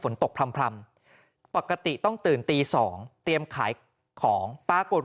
ฝนตกพร่ำพร่ำปกติต้องตื่นตีสองเตรียมขายของปรากฏ